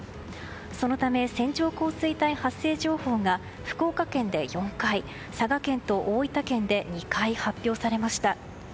そのため、線状降水帯発生情報が福岡県で４回、佐賀県と大分県で２回発表されました。